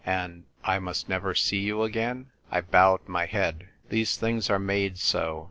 "And — I must never sec you again ?" I bowed my head. " Tiiese things arc made so.